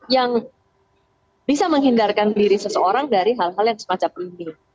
yang bisa menghindarkan diri seseorang dari hal hal yang semacam ini